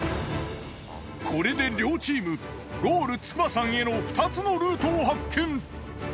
これで両チームゴール筑波山への２つのルートを発見。